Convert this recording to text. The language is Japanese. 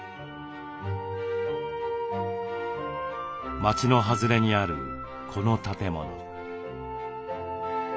町の外れにあるこの建物。